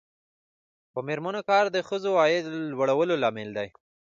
د میرمنو کار د ښځو عاید لوړولو لامل دی.